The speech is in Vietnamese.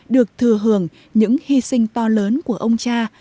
được thừa hưởng những hy sinh to lớn của ông cha